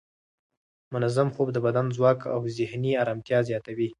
منظم خوب د بدن ځواک او ذهني ارامتیا زیاتوي.